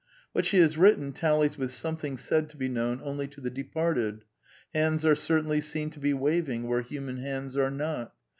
What she has written tallies with something said to be known only to the departed. Hands are certainly seen to be waving where human hands are not.